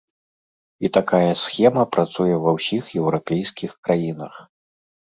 І такая схема працуе ва ўсіх еўрапейскіх краінах.